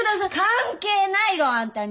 関係ないろあんたに！